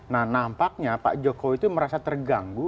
nah nampaknya pak jokowi itu merasa terganggu